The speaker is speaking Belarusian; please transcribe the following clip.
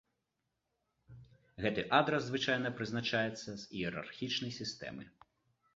Гэты адрас звычайна прызначаецца з іерархічнай сістэмы.